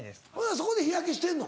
そこで日焼けしてんの？